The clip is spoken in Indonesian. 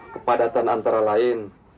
kepadatan antara lain